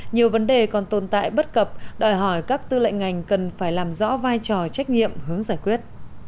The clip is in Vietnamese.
nhiều vấn đề còn tồn tại bất cập đòi hỏi các tư lệnh ngành cần phải làm rõ vai trò trách nhiệm hướng giải quyết